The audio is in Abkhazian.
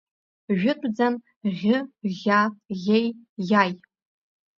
Жәытәӡан Ӷьы, Ӷьа, Ӷьеи, Ӷьаи…